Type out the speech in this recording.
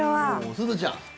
すずちゃん。